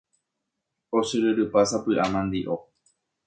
Ochyryrypa sapy'a mandi'o.